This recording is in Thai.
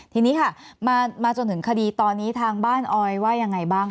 ทีนี้ค่ะมาจนถึงคดีตอนนี้ทางบ้านออยว่ายังไงบ้าง